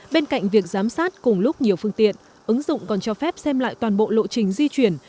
bên cạnh việc giám sát cùng lúc nhiều phương tiện ứng dụng còn cho phép xem lại toàn bộ lộ trình di chuyển